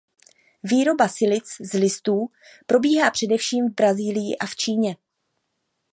Výroba silic z listů probíhá především v Brazílii a v Číně.